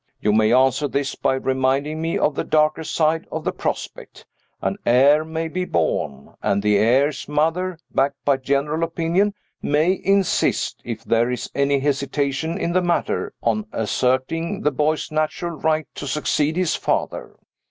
You may answer this by reminding me of the darker side of the prospect. An heir may be born; and the heir's mother, backed by general opinion, may insist if there is any hesitation in the matter on asserting the boy's natural right to succeed his father.